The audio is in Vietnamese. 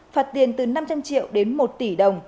phạt tiền từ năm trăm linh triệu đến một tỷ đồng